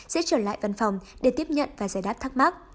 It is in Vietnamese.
sẽ trở lại văn phòng để tiếp nhận và giải đáp thắc mắc